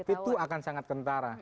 itu akan sangat kentara